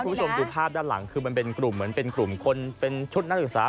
คุณผู้ชมดูภาพด้านหลังคือเหมือนเป็นกลุ่มชุดนักอุตสา